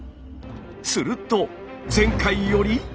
すると前回より。